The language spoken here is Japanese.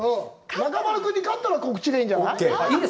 中丸君に勝ったら告知でいいんじゃない？